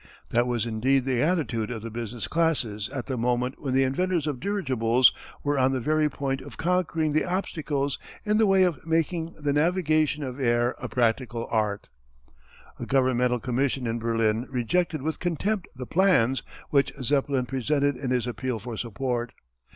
That was indeed the attitude of the business classes at the moment when the inventors of dirigibles were on the very point of conquering the obstacles in the way of making the navigation of air a practical art. A governmental commission at Berlin rejected with contempt the plans which Zeppelin presented in his appeal for support.